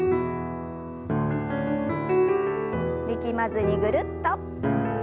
力まずにぐるっと。